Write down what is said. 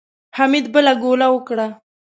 حميد بله ګوله وکړه.